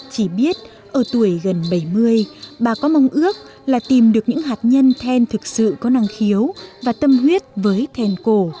chỉ biết ở tuổi gần bảy mươi bà có mong ước là tìm được những hạt nhân then thực sự có năng khiếu và tâm huyết với then cổ